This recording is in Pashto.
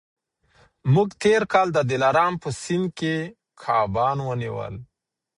موږ تېر کال د دلارام په سیند کي کبان ونیول.